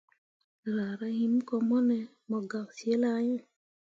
Raara him ko mone mu gak zilah iŋ.